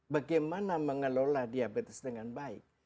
bagaimana mengelola diabetes dengan baik